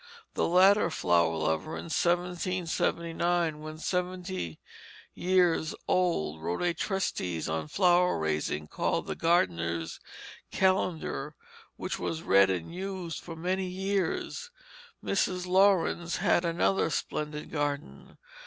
The latter flower lover in 1779, when seventy years old, wrote a treatise on flower raising called The Gardener's Kalendar, which was read and used for many years. Mrs. Laurens had another splendid garden.